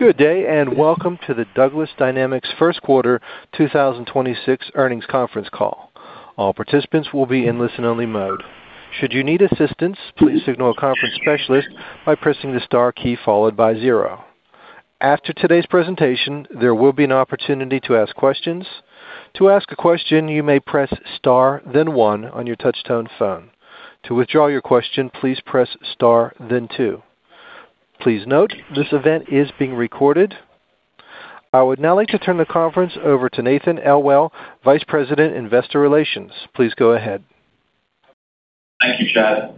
Good day, welcome to the Douglas Dynamics First Quarter 2026 earnings conference call. All participants will be in listen-only mode. Should you need assistance, please signal a conference specialist by pressing the star key followed by zero. After today's presentation, there will be an opportunity to ask questions. To ask a question, you may press star then one on your touch-tone phone. To withdraw your question, please press star then two. Please note, this event is being recorded. I would now like to turn the conference over to Nathan Elwell, Vice President, Investor Relations. Please go ahead. Thank you, Chad.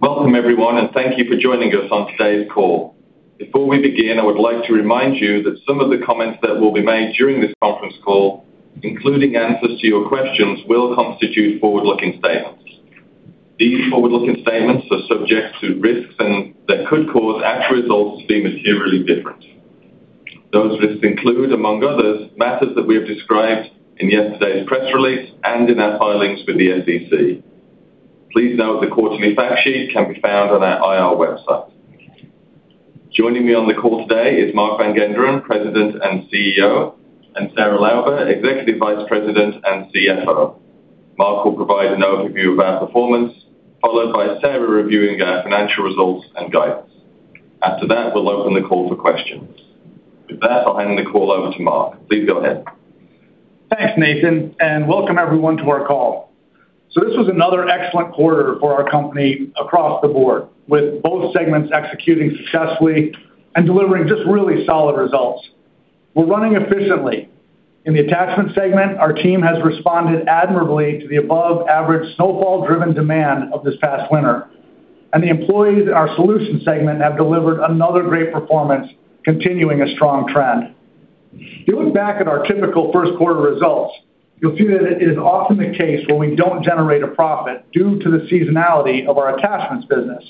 Welcome, everyone, and thank you for joining us on today's call. Before we begin, I would like to remind you that some of the comments that will be made during this conference call, including answers to your questions, will constitute forward-looking statements. These forward-looking statements are subject to risks and that could cause actual results to be materially different. Those risks include, among others, matters that we have described in yesterday's press release and in our filings with the SEC. Please note the quarterly fact sheet can be found on our IR website. Joining me on the call today is Mark Van Genderen, President and CEO, and Sarah Lauber, Executive Vice President and CFO. Mark will provide an overview of our performance, followed by Sarah reviewing our financial results and guidance. After that, we'll open the call for questions. With that, I'll hand the call over to Mark. Please go ahead. Thanks, Nathan, and welcome everyone to our call. This was another excellent quarter for our company across the board, with both segments executing successfully and delivering just really solid results. We're running efficiently. In the attachment segment, our team has responded admirably to the above-average snowfall-driven demand of this past winter. The employees at our solutions segment have delivered another great performance, continuing a strong trend. If you look back at our typical first quarter results, you'll see that it is often the case where we don't generate a profit due to the seasonality of our attachments business.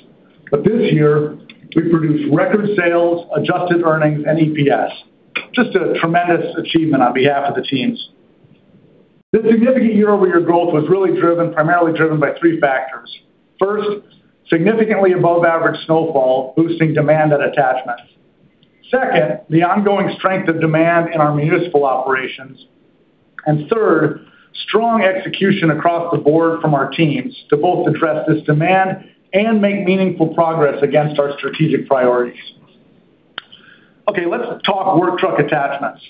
This year, we produced record sales, adjusted earnings, and EPS. Just a tremendous achievement on behalf of the teams. This significant year-over-year growth was primarily driven by three factors. First, significantly above average snowfall, boosting demand at attachments. Second, the ongoing strength of demand in our municipal operations. Third, strong execution across the board from our teams to both address this demand and make meaningful progress against our strategic priorities. Okay, let's talk Work Truck Attachments.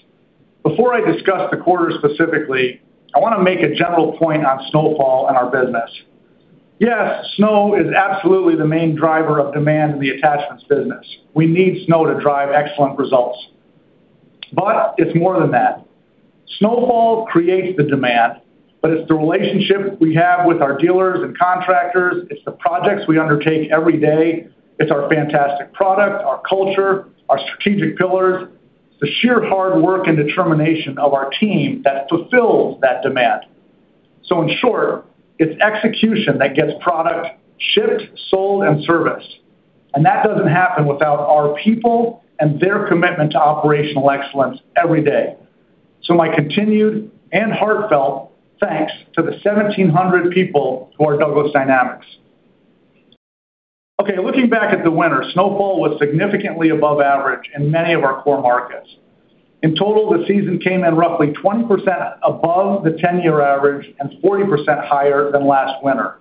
Before I discuss the quarter specifically, I want to make a general point on snowfall and our business. Yes, snow is absolutely the main driver of demand in the attachments business. We need snow to drive excellent results. It's more than that. Snowfall creates the demand, but it's the relationship we have with our dealers and contractors. It's the projects we undertake every day. It's our fantastic product, our culture, our strategic pillars, the sheer hard work and determination of our team that fulfills that demand. In short, it's execution that gets product shipped, sold, and serviced, and that doesn't happen without our people and their commitment to operational excellence every day. My continued and heartfelt thanks to the 1,700 people who are Douglas Dynamics. Okay, looking back at the winter, snowfall was significantly above average in many of our core markets. In total, the season came in roughly 20% above the 10-year average and 40% higher than last winter.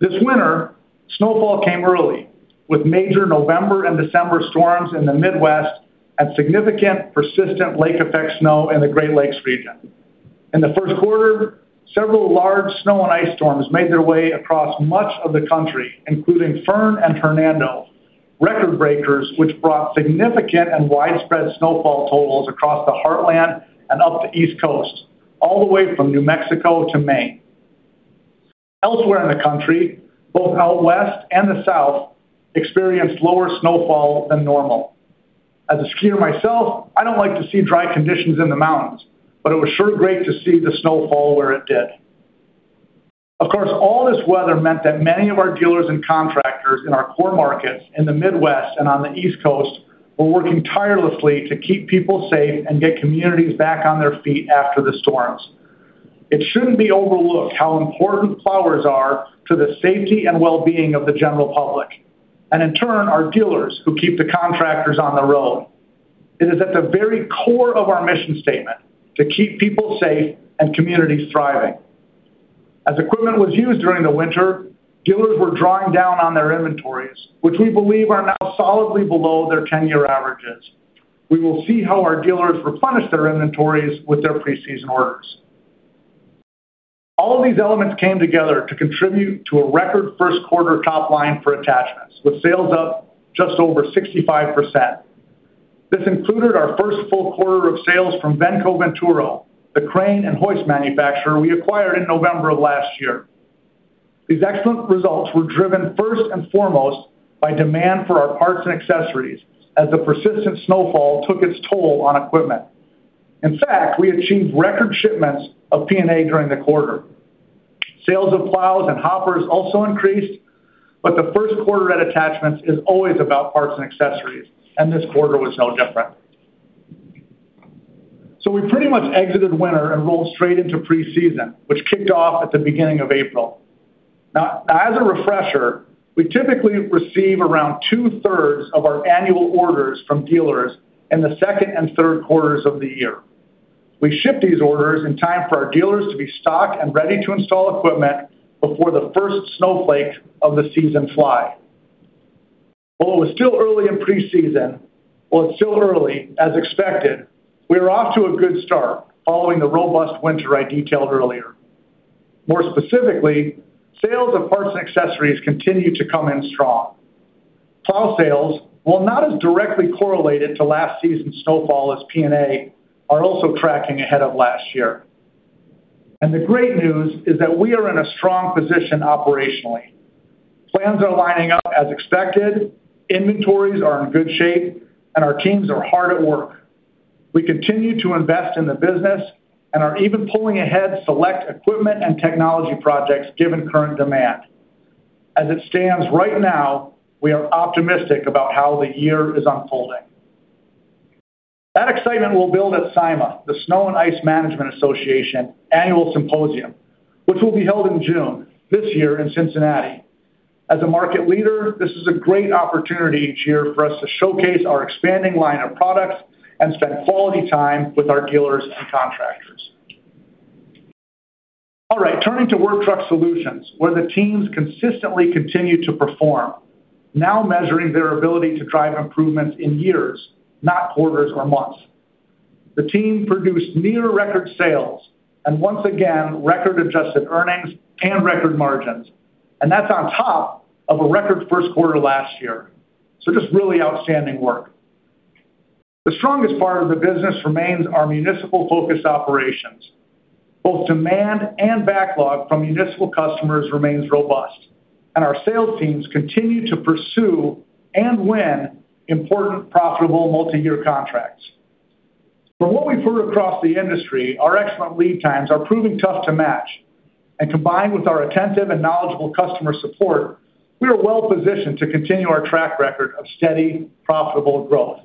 This winter, snowfall came early, with major November and December storms in the Midwest and significant, persistent lake-effect snow in the Great Lakes region. In the first quarter, several large snow and ice storms made their way across much of the country, including Fern and Hernando, record breakers, which brought significant and widespread snowfall totals across the Heartland and up the East Coast, all the way from New Mexico to Maine. Elsewhere in the country, both out West and the South experienced lower snowfall than normal. As a skier myself, I don't like to see dry conditions in the mountains, but it was sure great to see the snow fall where it did. Of course, all this weather meant that many of our dealers and contractors in our core markets in the Midwest and on the East Coast were working tirelessly to keep people safe and get communities back on their feet after the storms. It shouldn't be overlooked how important plowers are to the safety and well-being of the general public, and in turn, our dealers who keep the contractors on the road. It is at the very core of our mission statement to keep people safe and communities thriving. As equipment was used during the winter, dealers were drawing down on their inventories, which we believe are now solidly below their 10-year averages. We will see how our dealers replenish their inventories with their preseason orders. All of these elements came together to contribute to a record first quarter top line for attachments, with sales up just over 65%. This included our first full quarter of sales from Venco Venturo, the crane and hoist manufacturer we acquired in November of last year. These excellent results were driven first and foremost by demand for our parts and accessories as the persistent snowfall took its toll on equipment. In fact, we achieved record shipments of P&A during the quarter. Sales of plows and hoppers also increased, but the first quarter at Attachments is always about parts and accessories, and this quarter was no different. We pretty much exited winter and rolled straight into pre-season, which kicked off at the beginning of April. Now, as a refresher, we typically receive around two-thirds of our annual orders from dealers in the second and third quarters of the year. We ship these orders in time for our dealers to be stocked and ready to install equipment before the first snowflake of the season fly. While it was still early in pre-season, while it's still early, as expected, we were off to a good start following the robust winter I detailed earlier. More specifically, sales of parts and accessories continued to come in strong. Plow sales, while not as directly correlated to last season's snowfall as P&A, are also tracking ahead of last year. The great news is that we are in a strong position operationally. Plans are lining up as expected, inventories are in good shape, and our teams are hard at work. We continue to invest in the business and are even pulling ahead select equipment and technology projects given current demand. As it stands right now, we are optimistic about how the year is unfolding. That excitement will build at SIMA, the Snow & Ice Management Association Annual Symposium, which will be held in June, this year in Cincinnati. As a market leader, this is a great opportunity each year for us to showcase our expanding line of products and spend quality time with our dealers and contractors. Turning to Work Truck Solutions, where the teams consistently continue to perform, now measuring their ability to drive improvements in years, not quarters or months. The team produced near-record sales and once again, record-adjusted earnings and record margins, and that's on top of a record first quarter last year. Just really outstanding work. The strongest part of the business remains our municipal-focused operations. Both demand and backlog from municipal customers remains robust, and our sales teams continue to pursue and win important, profitable multi-year contracts. From what we've heard across the industry, our excellent lead times are proving tough to match, and combined with our attentive and knowledgeable customer support, we are well-positioned to continue our track record of steady, profitable growth.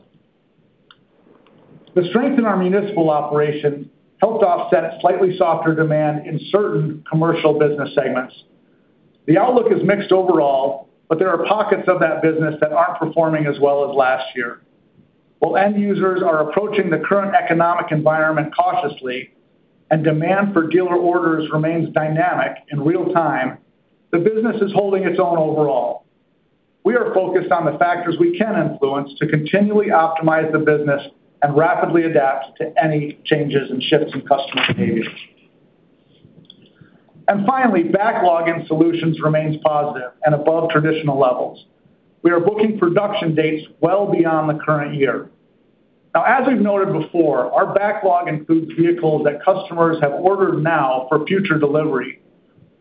The strength in our municipal operations helped offset slightly softer demand in certain commercial business segments. The outlook is mixed overall, but there are pockets of that business that aren't performing as well as last year. While end users are approaching the current economic environment cautiously and demand for dealer orders remains dynamic in real time, the business is holding its own overall. We are focused on the factors we can influence to continually optimize the business and rapidly adapt to any changes in shifts in customer behavior. Finally, backlog in Solutions remains positive and above traditional levels. We are booking production dates well beyond the current year. Now, as we've noted before, our backlog includes vehicles that customers have ordered now for future delivery.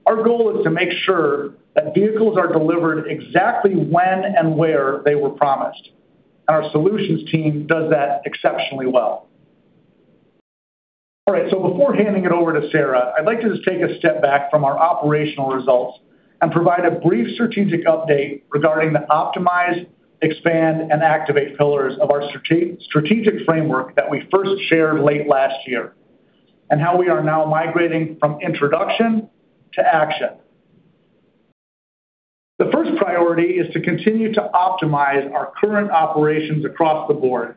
Our goal is to make sure that vehicles are delivered exactly when and where they were promised, and our Solutions team does that exceptionally well. All right, before handing it over to Sarah, I'd like to just take a step back from our operational results and provide a brief strategic update regarding the optimize, expand, and activate pillars of our strategic framework that we first shared late last year, and how we are now migrating from introduction to action. The first priority is to continue to optimize our current operations across the board.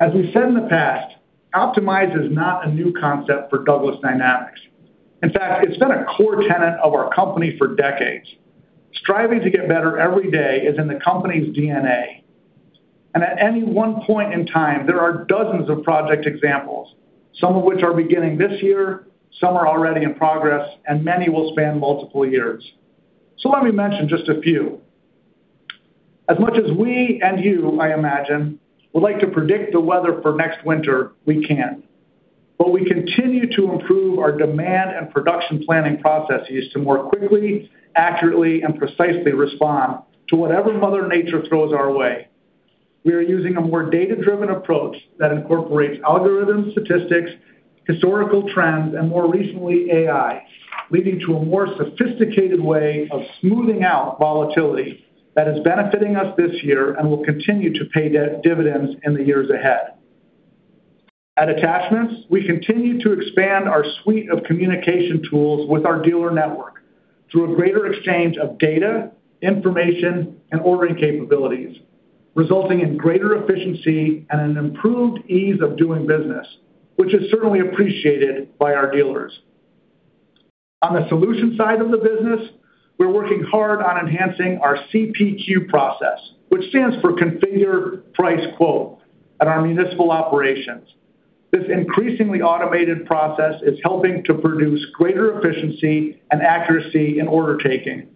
As we've said in the past, optimize is not a new concept for Douglas Dynamics. In fact, it's been a core tenet of our company for decades. Striving to get better every day is in the company's DNA. At any one point in time, there are dozens of project examples, some of which are beginning this year, some are already in progress, and many will span multiple years. Let me mention just a few. As much as we and you, I imagine, would like to predict the weather for next winter, we can't. We continue to improve our demand and production planning processes to more quickly, accurately, and precisely respond to whatever mother nature throws our way. We are using a more data-driven approach that incorporates algorithms, statistics, historical trends, and more recently, AI, leading to a more sophisticated way of smoothing out volatility that is benefiting us this year and will continue to pay dividends in the years ahead. At Attachments, we continue to expand our suite of communication tools with our dealer network through a greater exchange of data, information, and ordering capabilities, resulting in greater efficiency and an improved ease of doing business, which is certainly appreciated by our dealers. On the solutions side of the business, we're working hard on enhancing our CPQ process, which stands for Configure Price Quote, at our municipal operations. This increasingly automated process is helping to produce greater efficiency and accuracy in order taking,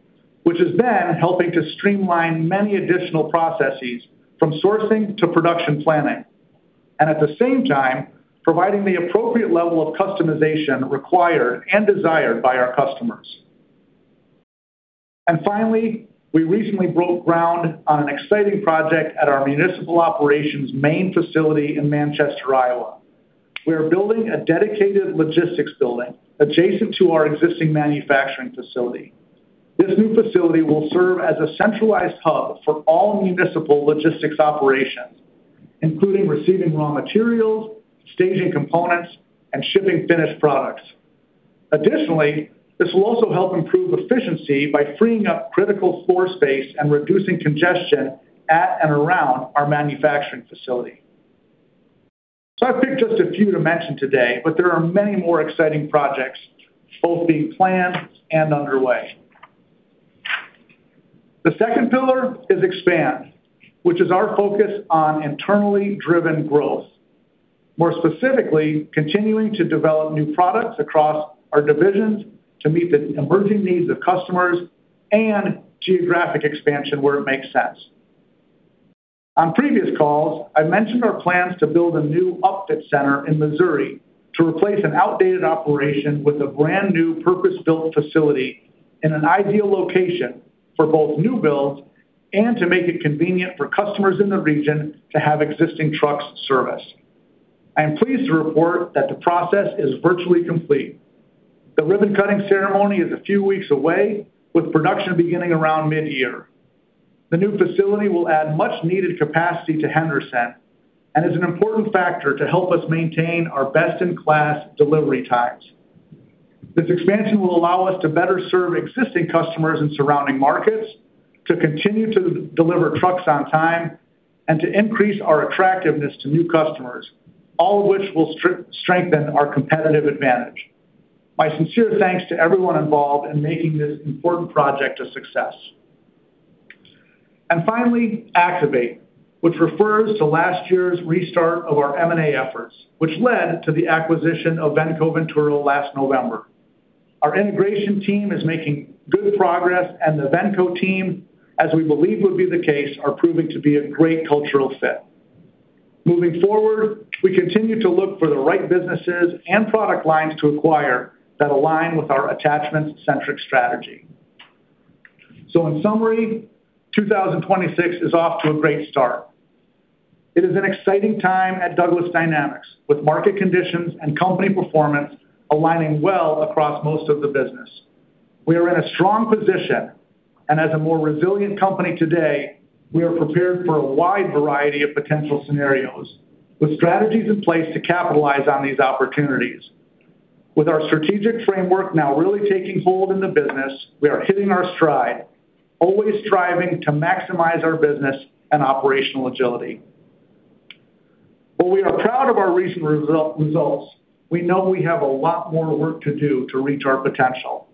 which is then helping to streamline many additional processes from sourcing to production planning, and at the same time, providing the appropriate level of customization required and desired by our customers. Finally, we recently broke ground on an exciting project at our municipal operations main facility in Manchester, Iowa. We are building a dedicated logistics building adjacent to our existing manufacturing facility. This new facility will serve as a centralized hub for all municipal logistics operations, including receiving raw materials, staging components, and shipping finished products. Additionally, this will also help improve efficiency by freeing up critical floor space and reducing congestion at and around our manufacturing facility. I picked just a few to mention today, but there are many more exciting projects both being planned and underway. The second pillar is expand, which is our focus on internally driven growth. More specifically, continuing to develop new products across our divisions to meet the emerging needs of customers and geographic expansion where it makes sense. On previous calls, I mentioned our plans to build a new upfit center in Missouri to replace an outdated operation with a brand new purpose-built facility in an ideal location for both new builds and to make it convenient for customers in the region to have existing trucks serviced. I am pleased to report that the process is virtually complete. The ribbon-cutting ceremony is a few weeks away, with production beginning around mid-year. The new facility will add much needed capacity to Henderson and is an important factor to help us maintain our best-in-class delivery times. This expansion will allow us to better serve existing customers in surrounding markets, to continue to deliver trucks on time, and to increase our attractiveness to new customers, all of which will strengthen our competitive advantage. My sincere thanks to everyone involved in making this important project a success. Finally, Activate, which refers to last year's restart of our M&A efforts, which led to the acquisition of Venco Venturo last November. Our integration team is making good progress, and the Venco team, as we believe would be the case, are proving to be a great cultural fit. Moving forward, we continue to look for the right businesses and product lines to acquire that align with our attachment-centric strategy. In summary, 2026 is off to a great start. It is an exciting time at Douglas Dynamics, with market conditions and company performance aligning well across most of the business. We are in a strong position and as a more resilient company today, we are prepared for a wide variety of potential scenarios with strategies in place to capitalize on these opportunities. With our strategic framework now really taking hold in the business, we are hitting our stride, always striving to maximize our business and operational agility. While we are proud of our recent results, we know we have a lot more work to do to reach our potential.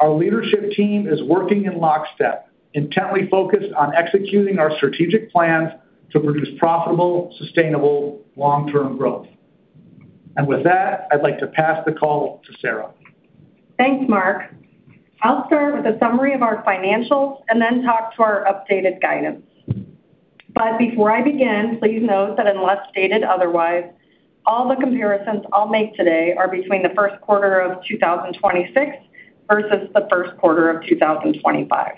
Our leadership team is working in lockstep, intently focused on executing our strategic plans to produce profitable, sustainable, long-term growth. With that, I'd like to pass the call to Sarah. Thanks, Mark. I'll start with a summary of our financials and then talk to our updated guidance. Before I begin, please note that unless stated otherwise, all the comparisons I'll make today are between the first quarter of 2026 versus the first quarter of 2025.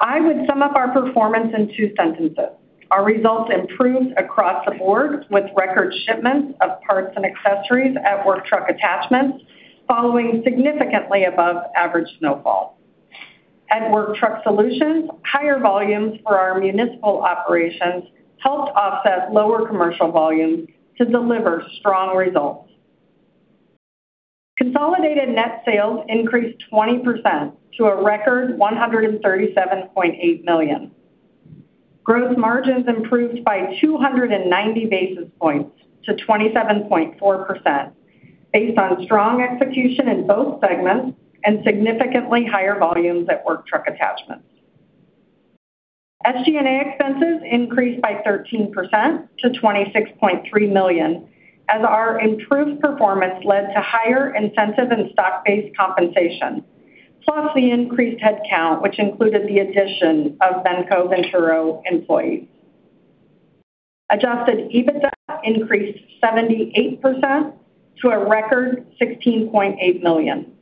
I would sum up our performance in two sentences. Our results improved across the board with record shipments of parts and accessories at Work Truck Attachments following significantly above average snowfall. At Work Truck Solutions, higher volumes for our municipal operations helped offset lower commercial volumes to deliver strong results. Consolidated net sales increased 20% to a record $137.8 million. Gross margins improved by 290 basis points to 27.4% based on strong execution in both segments and significantly higher volumes at Work Truck Attachments. SG&A expenses increased by 13% to $26.3 million, as our improved performance led to higher incentive and stock-based compensation, plus the increased headcount, which included the addition of Venco Venturo employees. Adjusted EBITDA increased 78% to a record $16.8 million.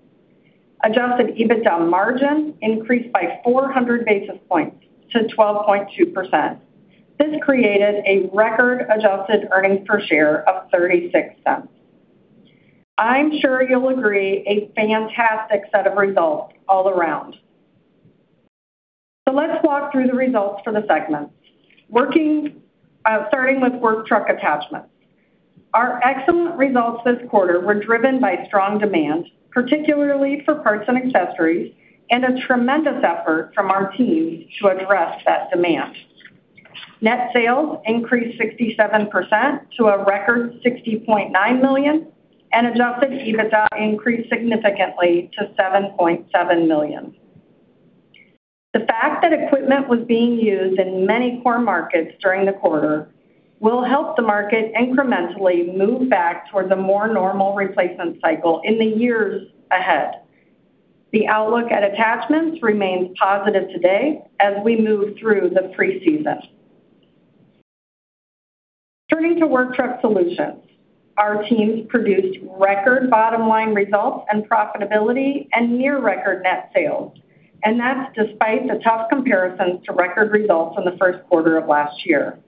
Adjusted EBITDA margin increased by 400 basis points to 12.2%. This created a record adjusted earnings per share of $0.36. I'm sure you'll agree a fantastic set of results all around. Let's walk through the results for the segments. Starting with Work Truck Attachments. Our excellent results this quarter were driven by strong demand, particularly for parts and accessories, and a tremendous effort from our teams to address that demand. Net sales increased 67% to a record $60.9 million and Adjusted EBITDA increased significantly to $7.7 million. The fact that equipment was being used in many core markets during the quarter will help the market incrementally move back toward the more normal replacement cycle in the years ahead. The outlook at Attachments remains positive today as we move through the pre-season. Turning to Work Truck Solutions. Our teams produced record bottom line results and profitability and near record net sales. That's despite the tough comparisons to record results in the first quarter of last year.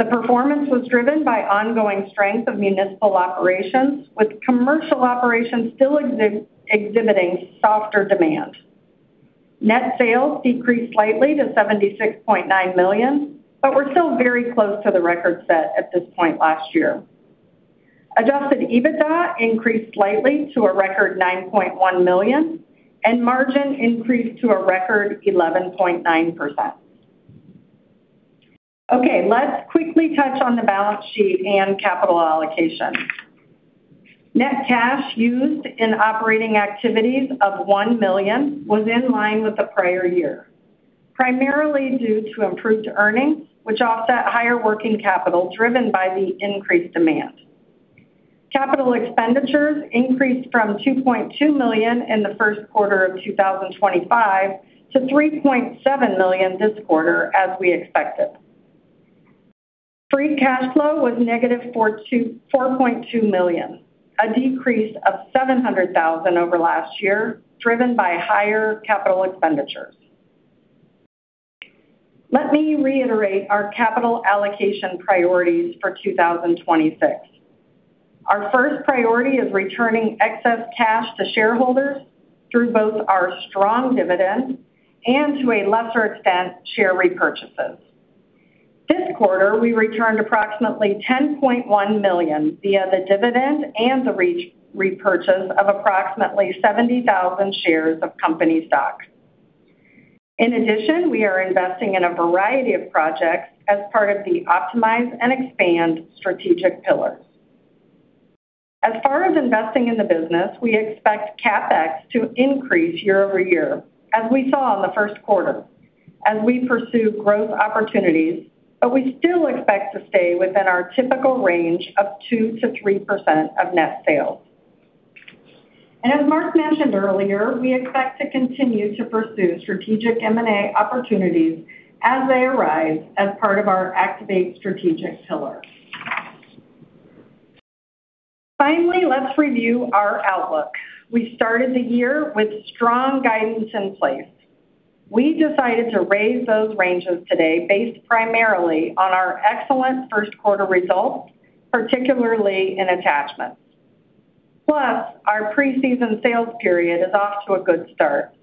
The performance was driven by ongoing strength of municipal operations, with commercial operations still exhibiting softer demand. Net sales decreased slightly to $76.9 million. We're still very close to the record set at this point last year. Adjusted EBITDA increased slightly to a record $9.1 million. Margin increased to a record 11.9%. Okay, let's quickly touch on the balance sheet and capital allocation. Net cash used in operating activities of $1 million was in line with the prior year, primarily due to improved earnings, which offset higher working capital driven by the increased demand. Capital expenditures increased from $2.2 million in the first quarter of 2025 to $3.7 million this quarter, as we expected. Free cash flow was -$4.2 million, a decrease of $700,000 over last year, driven by higher capital expenditures. Let me reiterate our capital allocation priorities for 2026. Our first priority is returning excess cash to shareholders through both our strong dividend and, to a lesser extent, share repurchases. This quarter, we returned approximately $10.1 million via the dividend and the repurchase of approximately 70,000 shares of company stock. We are investing in a variety of projects as part of the optimize and expand strategic pillars. As far as investing in the business, we expect CapEx to increase year-over-year, as we saw in the first quarter, as we pursue growth opportunities, we still expect to stay within our typical range of 2%-3% of net sales. As Mark mentioned earlier, we expect to continue to pursue strategic M&A opportunities as they arise as part of our Activate strategic pillar. Finally, let's review our outlook. We started the year with strong guidance in place. We decided to raise those ranges today based primarily on our excellent first quarter results, particularly in attachments. Our pre-season sales period is off to a good start.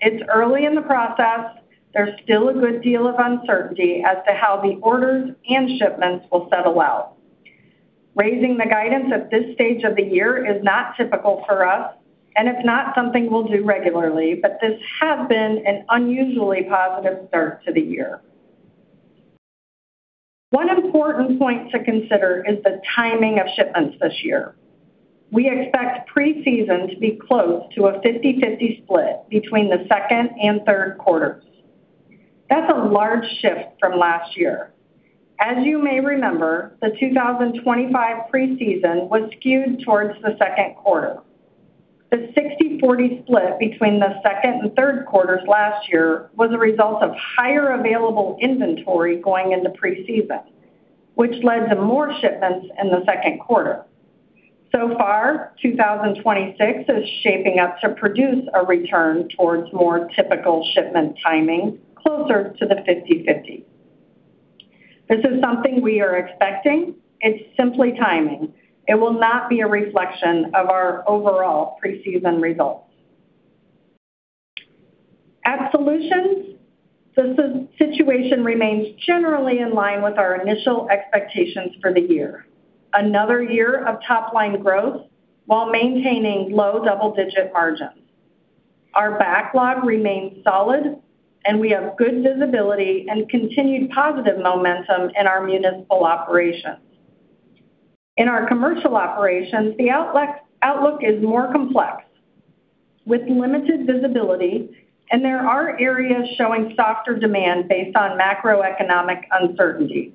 It's early in the process. There's still a good deal of uncertainty as to how the orders and shipments will settle out. Raising the guidance at this stage of the year is not typical for us, and it's not something we'll do regularly, but this has been an unusually positive start to the year. One important point to consider is the timing of shipments this year. We expect pre-season to be close to a 50/50 split between the second and third quarters. That's a large shift from last year. As you may remember, the 2025 pre-season was skewed towards the second quarter. The 60/40 split between the second and third quarters last year was a result of higher available inventory going into pre-season, which led to more shipments in the second quarter. So far, 2026 is shaping up to produce a return towards more typical shipment timing closer to the 50/50. This is something we are expecting. It's simply timing. It will not be a reflection of our overall pre-season results. At Solutions, the situation remains generally in line with our initial expectations for the year. Another year of top-line growth while maintaining low double-digit margins. Our backlog remains solid, and we have good visibility and continued positive momentum in our municipal operations. In our commercial operations, the outlook is more complex with limited visibility, and there are areas showing softer demand based on macroeconomic uncertainty.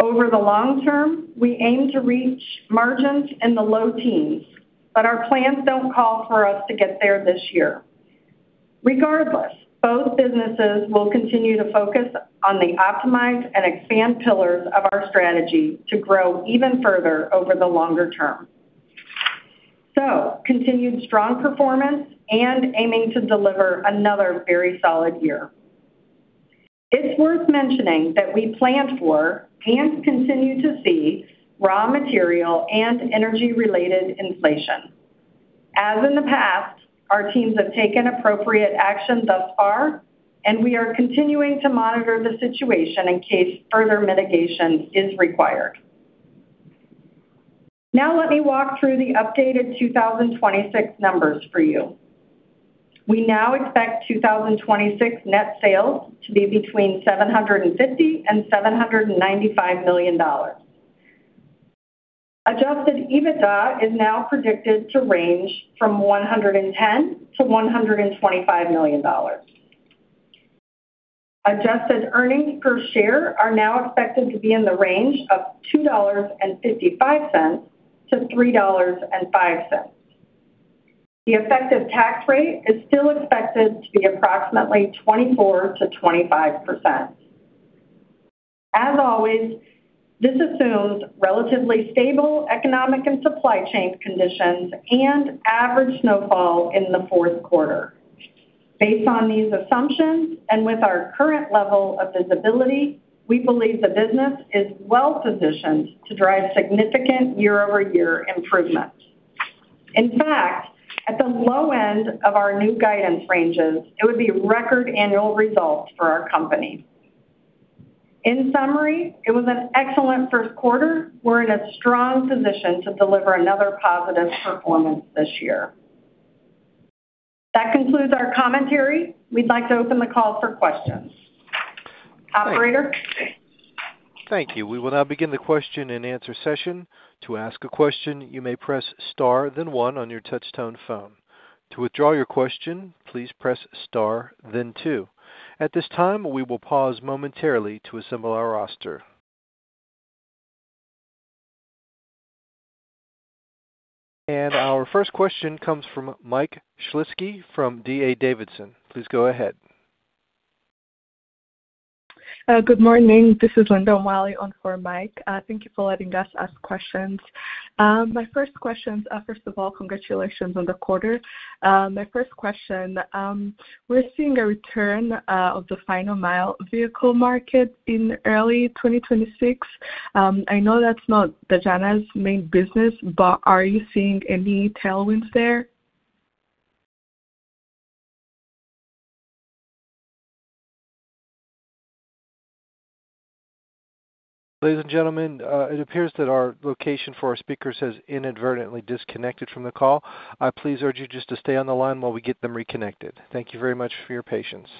Over the long term, we aim to reach margins in the low teens, but our plans don't call for us to get there this year. Regardless, both businesses will continue to focus on the optimized and expand pillars of our strategy to grow even further over the longer term. Continued strong performance and aiming to deliver another very solid year. It's worth mentioning that we planned for and continue to see raw material and energy-related inflation. As in the past, our teams have taken appropriate action thus far, and we are continuing to monitor the situation in case further mitigation is required. Let me walk through the updated 2026 numbers for you. We now expect 2026 net sales to be between $750 million and $795 million. Adjusted EBITDA is now predicted to range from $110 million-$125 million. Adjusted earnings per share are now expected to be in the range of $2.55-$3.05. The effective tax rate is still expected to be approximately 24%-25%. As always, this assumes relatively stable economic and supply chain conditions and average snowfall in the fourth quarter. Based on these assumptions and with our current level of visibility, we believe the business is well-positioned to drive significant year-over-year improvement. In fact, at the low end of our new guidance ranges, it would be record annual results for our company. In summary, it was an excellent first quarter. We're in a strong position to deliver another positive performance this year. That concludes our commentary. We'd like to open the call for questions. Operator? Thank you. We will now begin the question-and-answer session. To ask a question, you may press star then one on your touch-tone phone. To withdraw your question, please press star then two. At this time, we will pause momentarily to assemble our roster. Our first question comes from Mikel Shlisky from D.A. Davidson. Please go ahead. Good morning. This is Linda O'Malley on for Mike. Thank you for letting us ask questions. First of all, congratulations on the quarter. My first question, we're seeing a return of the final mile vehicle market in early 2026. I know that's not Dejana's main business, but are you seeing any tailwinds there? Ladies and gentlemen, it appears that our location for our speaker has inadvertently disconnected from the call. I please urge you just to stay on the line while we get them reconnected. Thank you very much for your patience.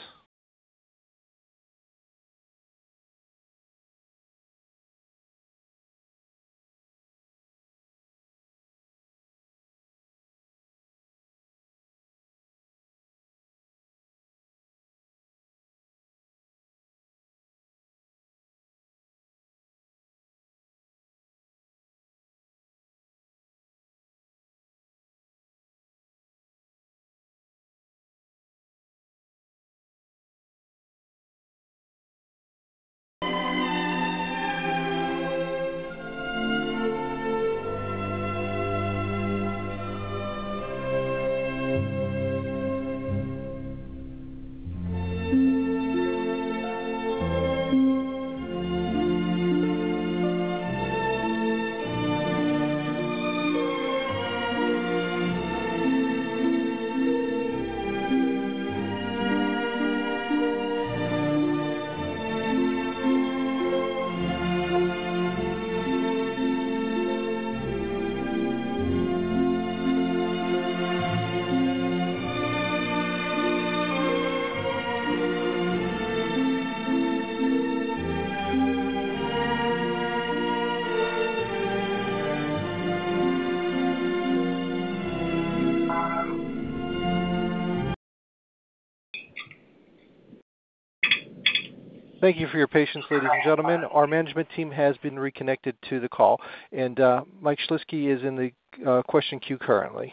Thank you for your patience, ladies and gentlemen. Our management team has been reconnected to the call, and Mike Shlisky is in the question queue currently.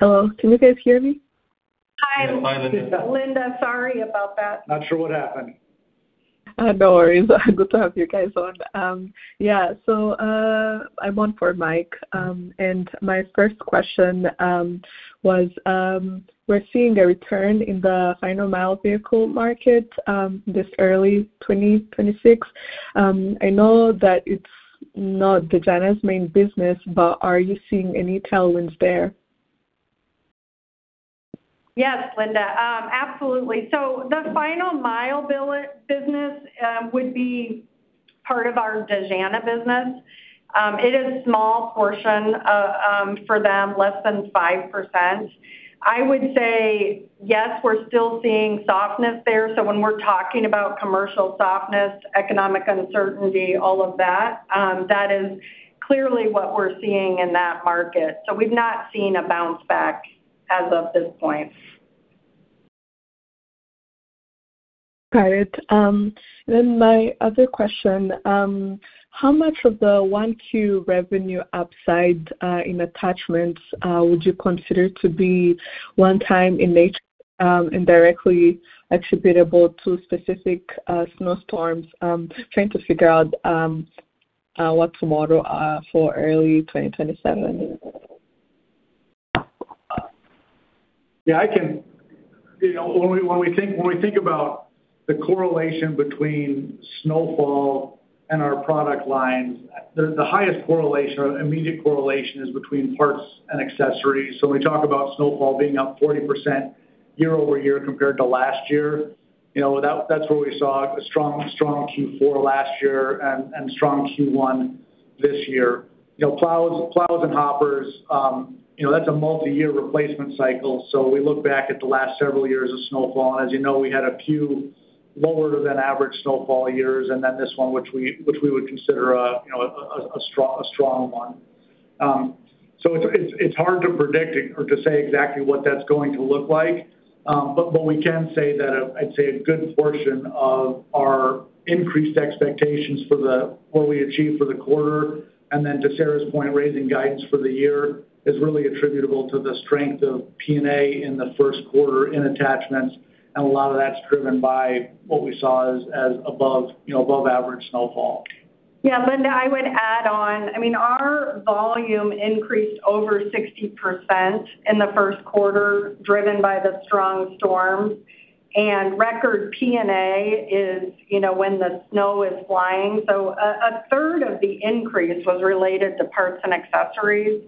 Hello, can you guys hear me? Hi. Yeah. Hi, Linda. Linda, sorry about that. Not sure what happened. No worries. Good to have you guys on. Yeah. I'm on for Mike. My first question was, we're seeing a return in the final mile vehicle market this early 2026. I know that it's not Dejana's main business, but are you seeing any tailwinds there? Yes, Linda. Absolutely. The final mile vehicle business would be part of our Dejana business. It is small portion for them, less than 5%. I would say yes, we're still seeing softness there. When we're talking about commercial softness, economic uncertainty, all of that is clearly what we're seeing in that market. We've not seen a bounce back as of this point. Got it. My other question, how much of the 1Q revenue upside in attachments would you consider to be one time in nature, indirectly attributable to specific snowstorms? Trying to figure out what to model for early 2027. You know, when we think about the correlation between snowfall and our product lines, the highest correlation or immediate correlation is between parts and accessories. When we talk about snowfall being up 40% year-over-year compared to last year, you know, that's where we saw a strong Q4 last year and strong Q1 this year. You know, plows and hoppers, you know, that's a multiyear replacement cycle. We look back at the last several years of snowfall, and as you know, we had a few lower than average snowfall years, and then this one which we would consider a, you know, a strong one. It's hard to predict or to say exactly what that's going to look like. What we can say that I'd say a good portion of our increased expectations for what we achieved for the quarter and then to Sarah's point, raising guidance for the year is really attributable to the strength of P&A in the first quarter in attachments, and a lot of that's driven by what we saw as above, you know, above average snowfall. Yeah, Linda, I would add on. I mean, our volume increased over 60% in the first quarter, driven by the strong storm. Record P&A is, you know, when the snow is flying. A third of the increase was related to Parts & Accessories.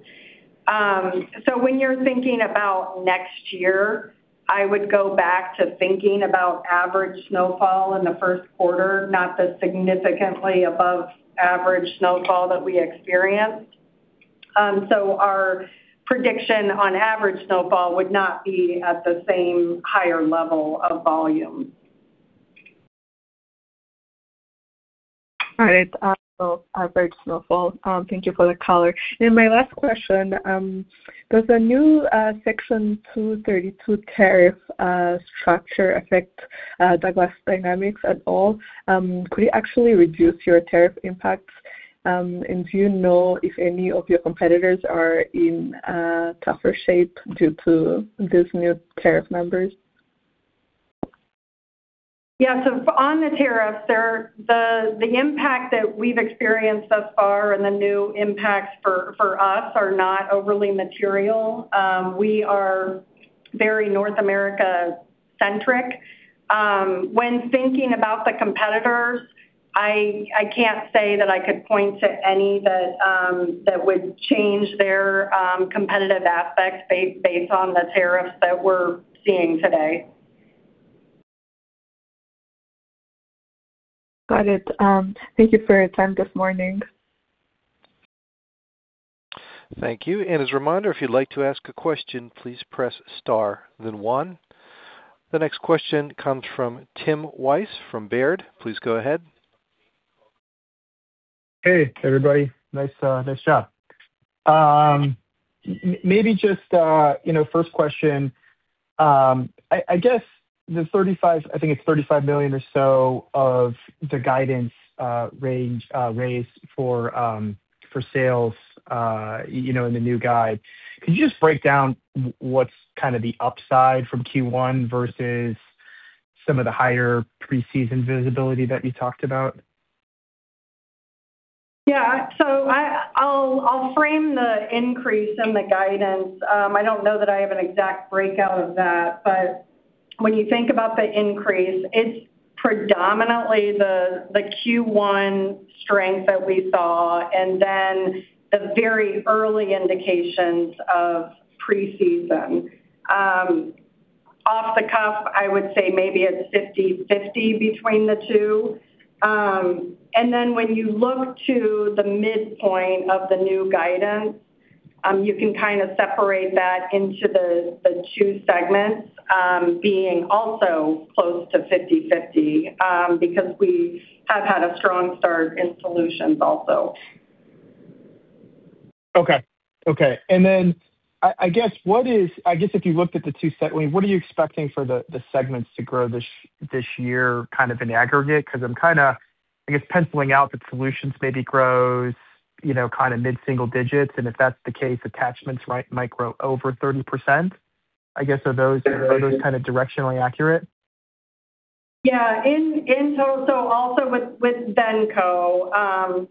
When you're thinking about next year, I would go back to thinking about average snowfall in the first quarter, not the significantly above average snowfall that we experienced. Our prediction on average snowfall would not be at the same higher level of volume. All right. Average snowfall. Thank you for the color. My last question, does the new Section 232 tariff structure affect Douglas Dynamics at all? Could it actually reduce your tariff impacts? Do you know if any of your competitors are in tougher shape due to this new tariff members? On the tariffs, the impact that we've experienced thus far and the new impacts for us are not overly material. We are very North America centric. When thinking about the competitors, I can't say that I could point to any that would change their competitive aspects based on the tariffs that we're seeing today. Got it. Thank you for your time this morning. Thank you. As a reminder, if you'd like to ask a question, please press star then one. The next question comes from Tim Wojs from Baird. Please go ahead. Hey, everybody. Nice, nice job. maybe just, you know, first question, I guess the $35 million or so of the guidance range raise for sales, you know, in the new guide. Could you just break down what's kind of the upside from Q1 versus some of the higher pre-season visibility that you talked about? I'll frame the increase in the guidance. I don't know that I have an exact breakout of that, but when you think about the increase, it's predominantly the Q1 strength that we saw and then the very early indications of pre-season. Off the cuff, I would say maybe it's 50/50 between the two. When you look to the midpoint of the new guidance, you can kind of separate that into the two segments, being also close to 50/50, because we have had a strong start in Solutions also. Okay. Okay. I guess if you looked at the two, what are you expecting for the segments to grow this year kind of in aggregate? 'Cause I'm kinda, I guess, penciling out that Solutions maybe grows, you know, kinda mid-single digits, and if that's the case, Attachments might grow over 30%. I guess, are those? Yeah. Are those kind of directionally accurate? Yeah. In total, so also with Venco,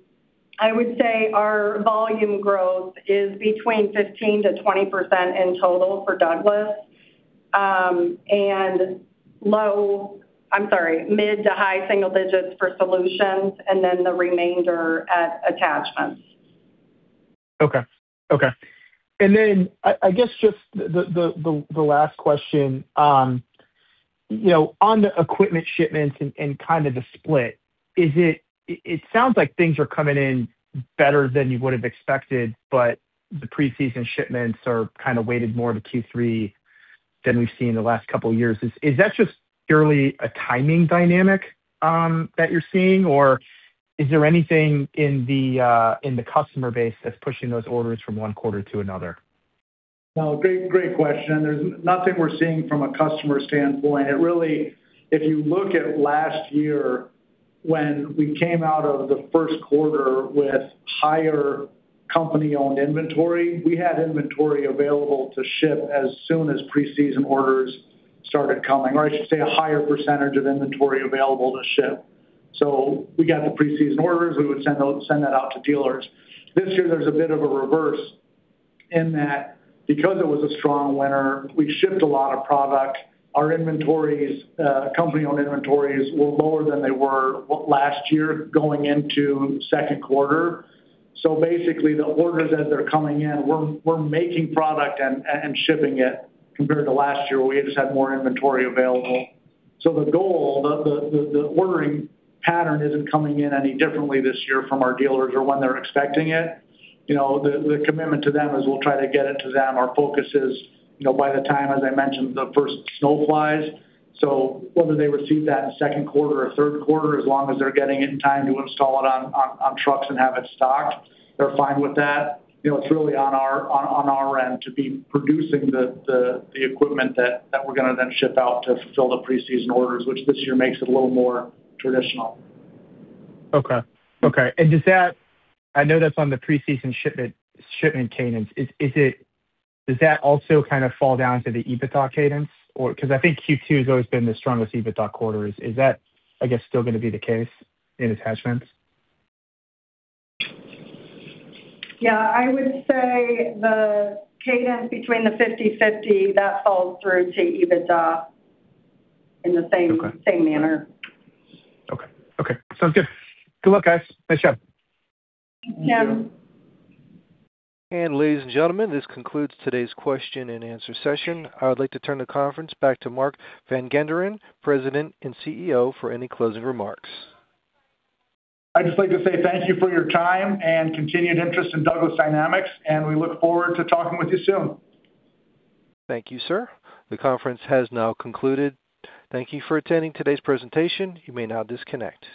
I would say our volume growth is between 15% to 20% in total for Douglas, and low, I'm sorry, mid to high single digits for Solutions and then the remainder at Attachments. Okay. Okay. I guess just the last question, you know, on the equipment shipments and kind of the split, it sounds like things are coming in better than you would have expected, the pre-season shipments are kinda weighted more to Q3 than we've seen in the last couple years. Is that just purely a timing dynamic that you're seeing, or is there anything in the customer base that's pushing those orders from one quarter to another? No, great question. There's nothing we're seeing from a customer standpoint. It really, if you look at last year when we came out of the first quarter with higher company-owned inventory, we had inventory available to ship as soon as pre-season orders started coming, or I should say a higher percentage of inventory available to ship. We got the pre-season orders, we would send that out to dealers. This year, there's a bit of a reverse in that because it was a strong winter, we shipped a lot of product. Our inventories, company-owned inventories were lower than they were last year going into second quarter. Basically, the orders as they're coming in, we're making product and shipping it compared to last year where we just had more inventory available. The goal, the ordering pattern isn't coming in any differently this year from our dealers or when they're expecting it. You know, the commitment to them is we'll try to get it to them. Our focus is, you know, by the time, as I mentioned, the first snow flies. Whether they receive that in second quarter or third quarter, as long as they're getting it in time to install it on trucks and have it stocked, they're fine with that. You know, it's really on our end to be producing the equipment that we're gonna then ship out to fulfill the pre-season orders, which this year makes it a little more traditional. Okay. Okay. I know that's on the pre-season shipment cadence. Does that also kind of fall down to the EBITDA cadence? Because I think Q2 has always been the strongest EBITDA quarter. Is that, I guess, still going to be the case in attachments? Yeah. I would say the cadence between the 50/50, that falls through to EBITDA in the same. Okay. Same manner. Okay. Okay. Sounds good. Good luck, guys. Nice job. Thanks, Tim. Thank you. Ladies and gentlemen, this concludes today's question and answer session. I would like to turn the conference back to Mark Van Genderen, President and CEO, for any closing remarks. I'd just like to say thank you for your time and continued interest in Douglas Dynamics, and we look forward to talking with you soon. Thank you, sir. The conference has now concluded. Thank you for attending today's presentation. You may now disconnect.